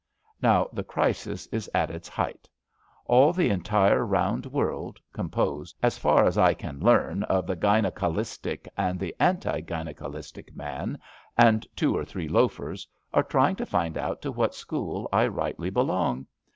Now the crisis is at its height. All the entire round world, composed, as far as I can learn, of the Gynekalistic and the anti Gynekalistic man, and two or three loafers, are trying to find out to what school I rightly belong.